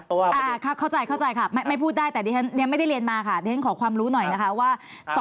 เข้าใจครับไม่พูดได้แต่ใส่ไม่ได้เรียนมาขอความรู้หน่อยนะครับว่า